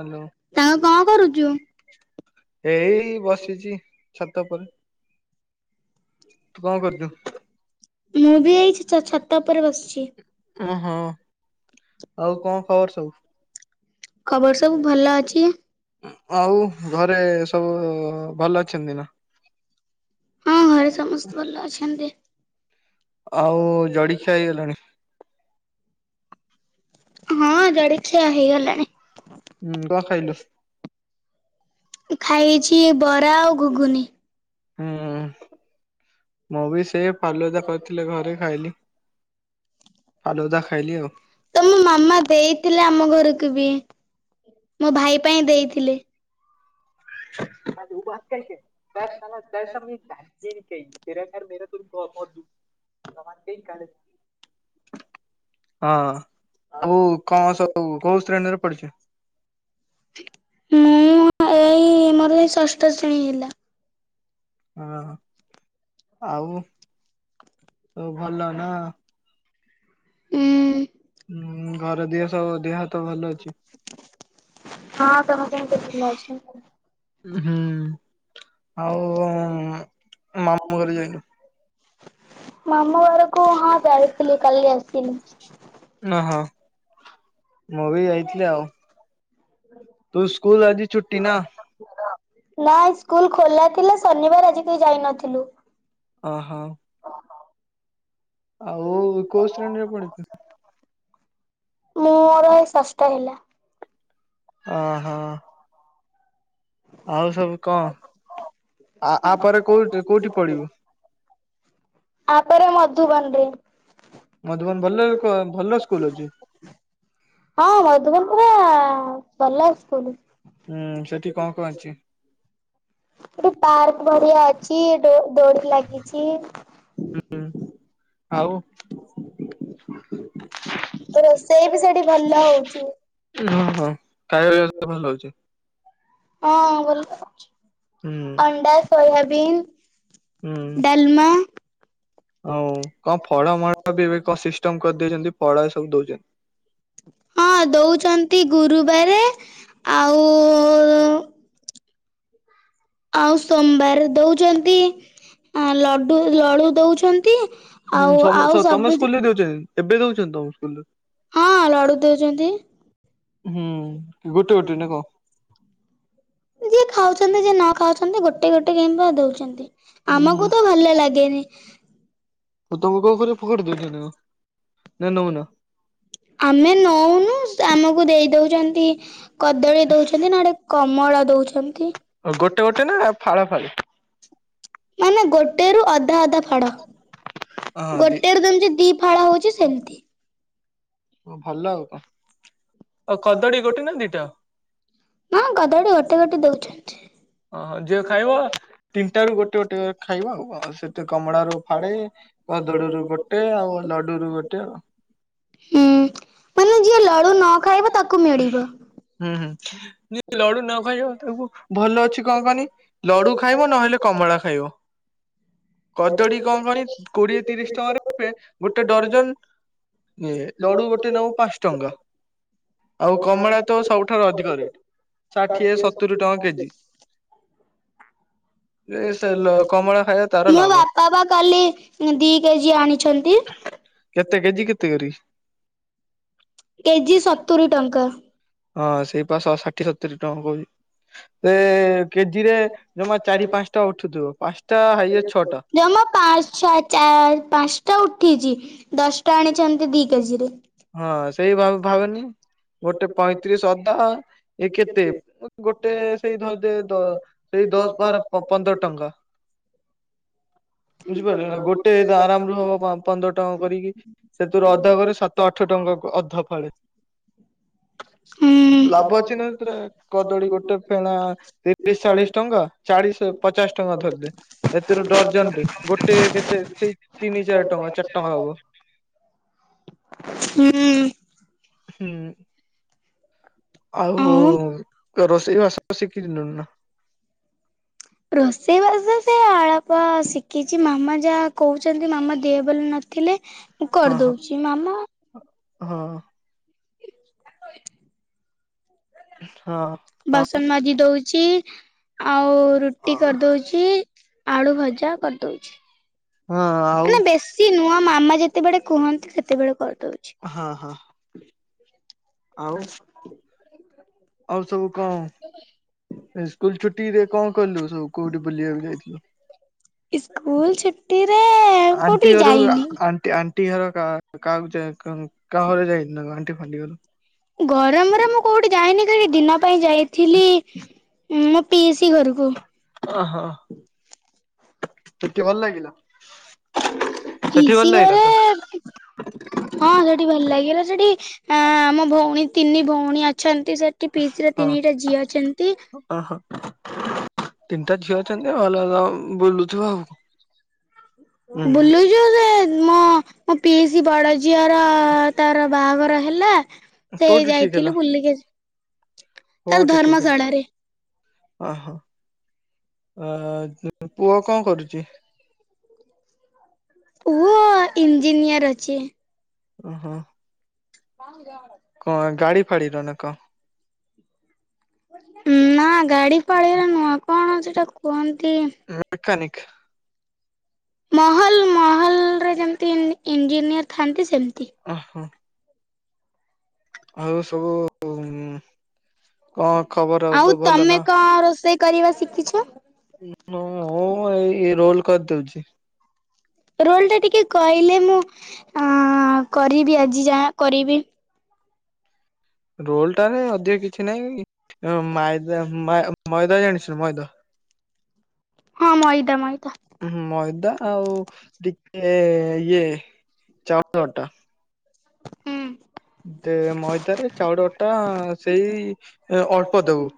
Hello ସାଙ୍ଗ କଣ କରୁଛୁ? ଏଇ ବସିଛି ଛ ତାପରେ। ତୁ କଣ କରଛୁ। ମୁଁ ବି ଏଇ ଛା ଛା ଛାତ ଉପରେ ବସିଛି। ଓ ହଁ। ଖବର ସବୁ ଭଲ ଅଛି। ଆଉ ଘରେ ସବୁ ଭଲ ଅଛନ୍ତି ନା। ହଁ ଘରେ ସମସ୍ତେ ଭଲ ଅଛନ୍ତି। ଆଉ ଜଳିଖିଆ ହେଇଗଲାଣି। ହଁ ଜଡେଖିଆ ହେଇଗଲାଣି। ହୁଁ କଣ ଖାଇଲୁ? ଖାଇଛି ବରା ଆଉ ଘୁଗୁନି। ହୁଁ ମୁଁ ବି ସେ ଫାଲୁଦା କରିଥିଲେ ଘରେ ଖାଇଲି। ଫାଲୁଦା ଖାଇଲି ଆଉ। ତମ ମାମା ଦେଇଥିଲେ ଆମ ଘରକୁ। ବି ମୋ ଭାଇ ପାଇଁ ଦେଇଥିଲେ। [unintelligible] [unintelligible] ହଁ ଆଉ କଣ ସବୁ କୋଉ ଶ୍ରେଣୀରେ ପଡିଛ? ମୁଁ ଏଇ ମୋର ଏଇ ଷଷ୍ଠ ଶ୍ରେଣୀ ହେଲା। ହଁ ଆଉ ତୋ ଭଲ ନା। ଉଁ। ହୁଁ ଘର ଦେହ ସବୁ ଦେହ ହାତ ଭଲ ଅଛି। ହଁ ତମେ କେମିତି ଭଲ ଅଛ। ହୁଁ ଆଉ ମାମୁଁ କରି ଯାଇନୁ? ମାମୁ ଘରକୁ ହଁ ଯାଇଥିଲି କାଲି ଆସିିଲି। ନୁହଁ ମୁଁ ବି ଯାଇଥିଲଥିଲେ ଆଉ। ତୁ ସ୍କୁଲ ଆଜି ଛୁଟି ନା। ନାଇଁ ସ୍କୁଲ ଖୋଲା ଥିଲା ଶନିବାର ଆଜି କେହି ଯାଇ ନଥିଲୁ। ଅଁ ହଁ। ଆଉ କୋଉ ଶ୍ରେଣୀ ରେ ପଡୁଛୁ। ମୋର ଷଠ ହେଲା। ଅ ହଁ। ଆଉ ସବୁ କଣ ଆ ଆପରେ କୋଉଠି କୋଉଠି ପଡିବୁ। ତାପରେ ମଧୁବନରେ। ମଧୁବନ ଭଲ ଭଲ ସ୍କୁଲ ଅଛି ହଁ ମଧୁବନ ପୁରା। ହ ଭଲ ସ୍କୁଲ। ହୁଁ ସେଠି କଣ କଣ ଅଛି ଏଠି ପାର୍କ ବଢିଆ ଅଛି ଡୋ ଡୋଲି ଲାଗିଛି। ହୁଁ ଆଉ। ରୋଷେଇ ବି ସେଠି ଭଲ ହଉଛି। ହଁ ହଁ ଖାଇବା ବ୍ୟବସ୍ଥା ଭଲ ହଉଛି। ହଁ ଭଲ ହେଉଛି ହୁଁ ଅଣ୍ଡା ସୋୟାବନ୍। ଡଲମା। ହଉ କଣ ଫଳ ମଳ ବି ଏବେ କଣ ସିଷ୍ଟମ କରିଦେଇଉଛନ୍ତି ଫଳ ଏ ସବୁ ଦଉଛନ୍ତି। ହଁ ଦଉଛନ୍ତି ଗୁରୁବାର ଆଉ ଆଉ ସୋମବାର ଦଉଛନ୍ତି। ଲଡୁ ଲଡୁ ଦଉଛନ୍ତି ହୁଁ ଆଉ ଆଉ ସମ ତମ ସବୁ। ସ୍କୁଲରେ ଦଉଛନ୍ତି ଏବେ ଦଉଚନ୍ତି ତମକୁ ସ୍କୁଲରେ? ହଁ ଲଡୁ ଦଉଚନ୍ତି। ହୁଁ ଗୋଟେ ଗୋଟେ ନା କଁ? ଯିଏ ଖାଉଚନ୍ତି ଯିଏ ନ ଖାଉଚନ୍ତି ଗୋଟେ ଗୋଟେ କେମ୍ ଦଉଚନ୍ତି। ହୁଁ ଆମକୁ ତ ଭଲ ଲାଗେନି। ତ ତମେ କଣ କରୁଚ ଫୋକାଡି ଦଉଚ ନା କଣ? ନା ନଉନ? ଆମେ ନଉନୁ ଆମକୁ ଦେଇ ଦଉଚନ୍ତି କଦଳୀ ଦଉଚନ୍ତି ନହେଡେ କମଳା ଦଉଚ ଗୋଟେ ଗୋଟେ ନା ଫାଳେ ଫାଳେ? ମାନେ ଗୋଟେ ରୁ ଅଧ ଅଧା ଅଧା ହଁ ଫାଡ଼ ଦି ଗୋଟେ ରୁ ଯେମିତି ଦି ଫାଳ ହଉଚି ସେମିତି। ହୋଉ ଭଲ ଆଉ କଣ। ଆଉ କଦଳୀ ଗୋଟେ ନା ଦିଟା ନା କଦଳୀ ଗୋଟେ ଗୋଟେ ଦଉଚନ୍ତି। ଓହୋ ଯିଏ ଖାଇବ ତିନିଟା ରୁ ଗୋଟେ ଗୋଟେ ଖାଇବ ଆଉ କଣ ସେତ କମଳା ରୁ ଫାଡେ କଦଳୀରୁୁ ଗୋଟେ ଆଉ ଲଡୁ ର ଗୋଟେ ଆଉ। ହୁଁ ମାନେ ଯିଏ ଲଡୁ ନ ଖାଇବ ତାକୁ ମିଳିବ। ହୁଁ ହୁଁ ଯିଏ ଲଡୁ ନ ଖାଇବ ତାକୁ ଭଲ ଅଛି କଣ କହନି ଲଡୁ ଖାଇବ ନହେଲେ କମଳା ଖାଇବ। କଦଳୀ କଣ କଣ କୋଡିଏ ତିରିଶ ଟଙ୍କାରେ ଦେବେ ଗୋଟେ ଡରଜନ ଏ ଲଡୁ ଗୋଟେ ନଉ ପାଞ୍ଚ ଟଙ୍କା। ଆଉ କମଳା ତ ସବୁଠାରୁ ଅଧିକ ରେଟ ଷାଠିଏ ସତୁରି ଟଙ୍କା କେଜି। ଏ ସେ ଲ କମଳା ଖାଇବା ତାର ମୋ ଲାଭ। ବାପା ପା କାଲି ଦିଇ କେଜି ଆଣିଛ। କେତେ କେଜି କେତେ କରି। କେଜି ସତୁରି ଟଙ୍କା। ହଁ ସେଇ ପା ଶହ ଷାଠି ସତୁରି ଟଙ୍କା କହୁଛି। ସେ କେଜି ରେ ଜମା ଚାରି ପାଞ୍ଚ ଟଙ୍କା ଉଠୁଥିବ ପାଞ୍ଚ। ଜମା ପାଞ୍ଚ ଛଅ ଚାର ପାଞ୍ଚ ଟା ଉଠିଛି ଦଶଟା ଆଣିଛନ୍ତି ଦି କେଜି ରେ। ହଁ ସେଇ ଭ ଭାବନି ଗୋଟେ ପଇଁତିରିଶ ଅଧା ଏ କେତେ ଗୋଟେ ସେଇ ଧରିଦେ ସେଇ ଦଶ ପନ୍ଦର ଟଙ୍କା ବୁଝିପାରିଲ ନା ଗୋଟେ ଆରାମରୁ ହବ ପନ୍ଦର ଟଙ୍କା କରିକି ସେଥିରୁ ଅଧା କରିରେ ସତ ଟଙ୍କା କ ଅଧା ଫାଳେ ହୁଁ ଲାଭ ଅଛି ନା ସେ କଦଳୀ ଗୋଟେ ଫେଣା ତିରିଶ ଚାଳିଶ ଟଙ୍କା। ଚାଳିଶହ ପଚାଶ ଟଙ୍କା ଧରିଲେ ଏଥିରୁ ଡର୍ଜନ ରେ ଗୋଟେ କେତେ ସେଇ ତିନି ଚାରି ଟଙ୍କା ହଚାରି ଟଙ୍କା ହବ। ହୁଁ। ହୁଁ। ଆଉ ରୋଷେଇ ବାସ ଶିଖିିନୁନ ନା? ରୋଷେଇବାସ ସେ ଅଳପ ଶିଖିଛି ମାମା ଯାହା କହୁଛନ୍ତି ମାମା ଦେହ ବୋଲି ନ ଥିଲେ ମୁଁ ହଁ କରିଦଉଛି ମାମା ହଁ। [unintelligible] ହଁ ହଁ ବାସନ ମାଜି ଦଉଛି ଆଉ ରୁଟି ଆଉ କରିଦଉଛି। ଆଳୁ ଭଜା କରିଦଉଛି। ହଁ ଆଉ ମାନେ ବେଶୀ ନୁହଁ ମାମା ଯେତେବେଳେ କୁହନ୍ତି ସେତେବେଳେ କର। ହଁ ହଁ ଆଉ ଆଉ ସବୁ କଣ ସ୍କୁଲ ଛୁଟି ରେ କଣ କଲୁ ସବୁ କୋଉଠି ବୁଲିବାକୁ ଯାଇଥିଲୁ ସ୍କୁୁଲ ଛୁଟି ଆଣ୍ଟି ଘରକୁ ଆଣ୍ଟି ଘର କାହା କାହାକୁ କାହା ଘରେ ଯାଇ [unintelligible] ମତେ ଭୁଲିଗଲୁ ଗରମରେ ମୁଁ କୋଉଠି ଯାଇନି ଖାଲି ଦିନ ପାଇଁ ଯାଇଥିଲି ମୁ ପିଇସି ଘରକୁ। ଓହୋ ଟିକେ ଭଲ ଲାଗିଲା ସେଠି ଭଲ ପିଇସୀ ଲାଗିଲା ଘରେ ତ? ହଁ ସେଠି ଭଲ ଲାଗିଲା ସେଠି ହଁ ଆମ ଭଉଣୀ ତିନି ଭଉଣୀ ଅଛନ୍ତି ସେଠି ପିଇସୀ ର ହଁ ତିନିଟା ଝିଅ ଅଛନ୍ତି। ଓହୋ ତିନିଟା ଝିଅ ଅଛନ୍ତି ଭଲ ବୁଲୁଥିବ ଆଉ। ହୁଁ ବୁଲୁଛୁ ସେ ମୋ ମୋ ପିଇସି ବଡ଼ ଝିଅର ତାର ବାହାଘର ହେଲା ସେ କୋଉଠି ଠିକ ହେଲା ଯାଇଥିଲୁ ବୁଲିକି ଆସି ତାର କୋଉଠି ଠିକ ହେଲା ଧର୍ମଶାଳାରେ ଓହୋ ଆ ପୁଅ କଣ କରୁଚି? ପୁଅ ଇଞ୍ଜିନିୟର ଅଛି। ଓ ହୋ [unintelligible] ଖାଳିିଲ ନା କ ନା ଗାଡି ଫାଳିରେ ନୂଆ କଣ ସେଟା କୁହ ମେକାନିକ୍ ମହଲ ମହଲ ରେ ଯେମିତି ଇ ଇଞ୍ଜିନିୟର ଥାନ୍ତି ସେମ ଓହୋ ଆଉ ସବୁ କ ଆଉ ତମେ କଣ ରୋଷେଇ କରିବା ଶିଖିଛ? ମୁଁ ଏଇ ରୋଲ କରି ଦଉଛି। ରୋଲ ଟା ଟିକେ କହିଲେ ମୁଁ ଅ କରିବି ଆଜି ଯାହା କରିବି ରୋଲ ଟା ରେ ଅଧିକ କିଛି ନାହିଁ। ହ ମାଇଦା ମ ମଇଦା ଜାଣିଛ ମଇଦା ହଁ ମଇଦା ମଇଦା ମଇଦା ଆଉ ଟିକେ ଇଏ ଚାଉ ଅଟା ହୁଁ ଦେ ମଇଦାରେ ଚାଉଳଟା ସେଇ ଅଳ୍ପ ଦବୁ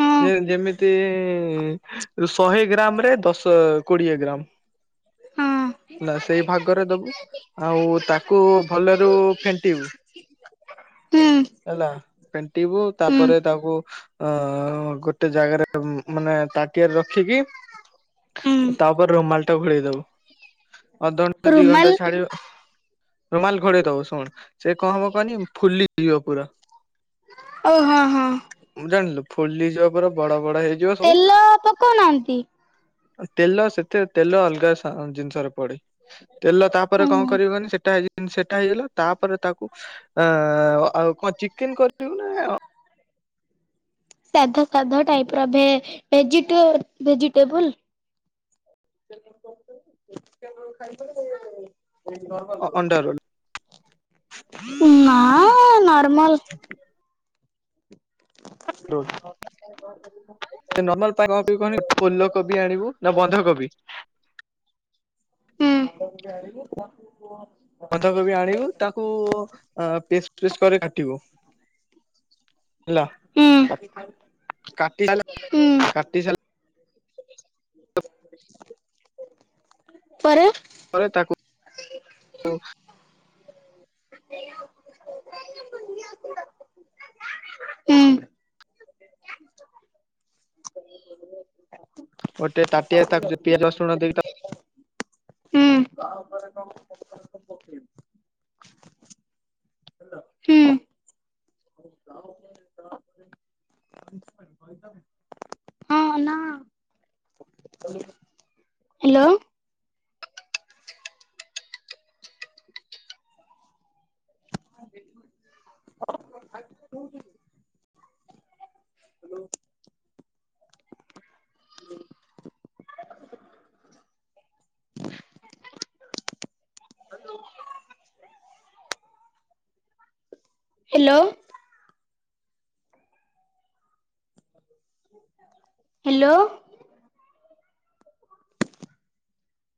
ହୁଁ ଯେ ଯେମିତି ଶହେ ଗ୍ରାମ ରେ ଦଶ କୋଡିଏ ହଁ ଗ୍ରାମ ନା ସେଇ ଭାଗରେ ଦବୁ ଆଉ ତାକୁ ଭଲ ରୁ ଫେଣ୍ଟିବୁ। [inaudible] ହେଲା ଫେଣ୍ଟିବୁ ହୁଁ ତାପରେ ତାକୁ ଅ ଗୋଟେ ଜାଗାରେ ମାନେ ତା ଟି ଆରେ ରଖିକି ହୁଁ ତାପରେ ରୁମାଲ ଟା ଘୋଡେଇ ଦବୁ। ଅଧଘଣ୍ଟା ଦି ରୁମାଲ ଘଣ୍ଟା ଛାଡିବ ରୁମାଲ ଘଡେଇ ଦବ ଶୁଣ ସେ କଣ ହବ କହନି ଫୁଲିଯିବ ପୁରା। ଓ ହଁ ହଁ ଉଁ ଜାଣିଲୁ ଫୁଲି ଯିବା ପୁରା ବଡ ବଡ ହେଇଯିବ ସବୁ। ତେଲ ପକଉନାହାନ୍ତି? ତେଲ ସେଥିରେ ତେଲ ଅଲଗା ଜିନିଷରେ ପଡେ। ତେଲ ତାପରେ କଣ ଉୁଁ କରିବନି ସେଟା ସେଟା ହେଇଗଲା ତାପରେ ତାକୁ ଆ ଆଉ କଣ ଚିକେନ କରିବୁ ନା ସାଧା ସାଧା ଟାଇପ ର ଭେ ଭେଜିଟେ ଭେଜିଟେବୁଲ [unintelligible] ଅ ନର୍ମଲ ଅଣ୍ଡା ରୋଲ? ଗୁ ନାଁ ନର୍ମଲ ହ ହଁ। ର୍ମା କ ଫୁଲକୋବି ଆଣିବୁ ନା ବନ୍ଧକୋବି? ହଁ। ବନ୍ଧାକୋବି ଆଣିବୁ ତାକୁ ପେଷ୍ଟ ଫେଷ୍ଟ କରି କାଟିବୁ। ହେଲା କାଟି କାଟିସ ପରେ ପରେରେ ତାକୁ ହଁ। ଗୋଟେ ତାଟିଆରେ ତାକୁ ପିଆଜ ରସୁଣ ଦେଇକି ହୁଁ। ହ୍ୟାଲୋ। [inaudible] ହ ହ୍ୟାଲୋ। ହ୍ୟାଲୋ।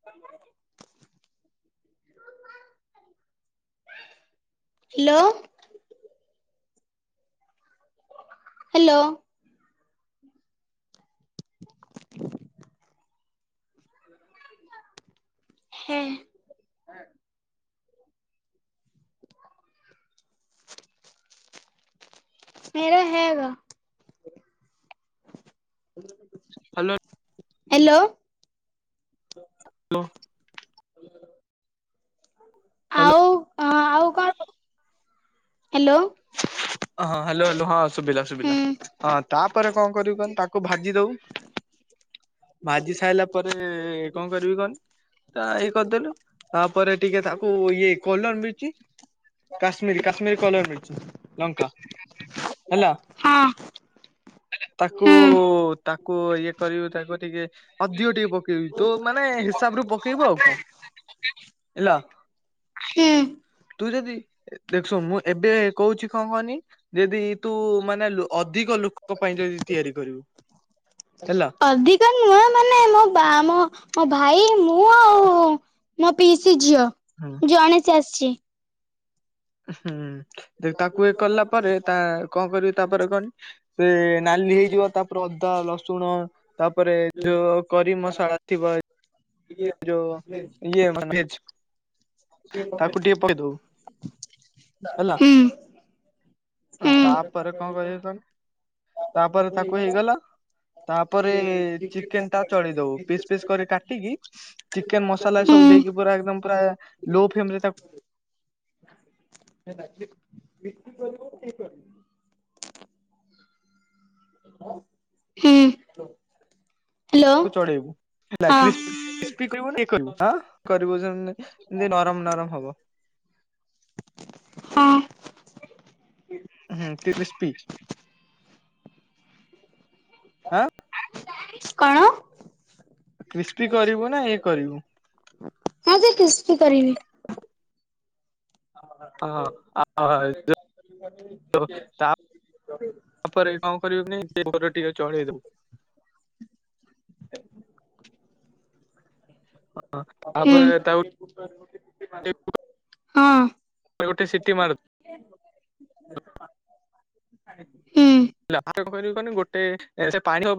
[inaudible] ହ୍ୟାଲୋ। ହ୍ୟାଲୋ। [inaudible] ହେଁ। ମେରା ହେଗ ହ ହ୍ୟାଲୋ। ହ୍ୟାଲୋ। ହ୍ୟାଲୋ। ହଁ ଆଉ ଆଉ କଣ? [inaudible] ହ ହଁ ହ୍ୟାଲୋ ହ୍ୟାଲୋ ହଁ ସୁବିଲା ସୁବିଲା ହୁଁ ହଁ ତାପରେ କଣ କରିବୁ କହନି ତାକୁ ଭାଜି ଦବୁ। ଭାଜି ସାରଲା ପରେ କଣ କରିବି କହନି ଇ କରିଦେଲୁ। ପରେ ଟିକେ ତାକୁ ଇଏ କଲର ମିଳଛି କାଶ୍ମୀର କାଶ୍ମୀର କଲର ମିଳିଚି। ଙ୍କା ହଁ। ଓ ତାକୁ ହୁଁ ତାକୁ ଇଏ କରିବୁ ତାକୁ ଟିକେ ଅଧିକ ଟିକେ ପକେଇବି ତୁ ମାନେ ହିସାବ ତୁପକେଇବ ଆଉ କଣ? [inaudible] ହେଲା ହୁଁ ତୁ ଯଦି ଦେଖ୍ ସୁନ୍ ମୁଁ ଏବେ କହୁଛି କଣ କହନି ଯଦି ତୁ ମାନେ ଅଧିକ ଲୋକ ପାଇଁ ଯଦି ତିଆରି କରିବୁ। ହେଲା ଅଧିକ ନୁହ ମାନେ ମୋ ବା ମ ମୋ ଭାଇ ମୁଁ ଆଉ [inaudible] ମୋ ପିଇସୀ ଝିଅ ହୁଁ। ଜଣେ ସିଏ ଆସିଚି। ହୁଁ ଦେଖ ତାକୁ ଇଏ କଲା ପରେ ତା କଣ କରିବି ତାପରେ କହନି। ସେ ନାଲି ହେଇଯିବ ତାପରେ ଅଦା ରସୁଣ ତାପରେ ଯୋଉ କରିମ୍ ମସଲା। ଥିବଲ୍ ଯୋଉ ଇଏ ମଭେଜ୍ ହେଲା ହୁଁ। ହୁଁ। ତାପରେ କଣ କହିବୁ କହନି ତାପରେ ତାକୁ ହେଇଗଲା। ତାପରେ ଚିକେନ୍ ଟା ଚଳି ଦବୁ ଫିସ୍ ଫିସ୍ କରି କାଟିକି ଚିକେନ୍ ମସଲା ଏଇ ହୁଁ ସବୁ ଦେଇକି ପୁରା ଏକଦମ୍ ପୁରା ଲୋ ଫ୍ରେମ୍ ରେ ତା ତା ବିକ୍ରି କରିବ ଠିକ୍ ଅଛି। [inaudible] ହୁଁ ହ୍ୟାଲୋ ତୁ ଚଳେଇବୁ। ହେଲା ହଁ [unintelligible] କରିବୁ ନରମ ନରମ ହବ। ହଁ ହୁଁ କ୍ରିସ୍ପିପି କଣ? କ୍ରିସ୍ପି କରିବୁ ନା ଏ କରିବୁ। ହଁ ସେ କିସ୍ତି କରିବି। ହ ହଁ ଯେଉଁ ତା ଆଉ ପରେ କଣ କରିବୁ କହନି ତାପରେ କଣ କରିବୁନିର ଟିକେ ଚଳେଇ ଦବୁ [inaudible] ହଁ ହୁଁ। ତାପରେ ତା ହଁ [inaudible] ଗୋଟେ ସିଟି ମାର୍ [inaudible] କହିବି କ ଗୋଟେ ପାଣି